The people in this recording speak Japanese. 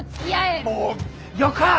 もうよか！